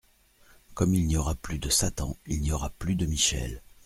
Comme il n'y aura plus de Satan, il n'y aura plus de Michel.